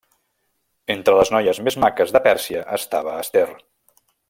Entre les noies més maques de Pèrsia estava Ester.